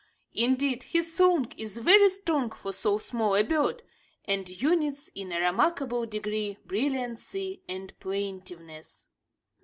Indeed, his song is very strong for so small a bird, and unites in a remarkable degree brilliancy and plaintiveness.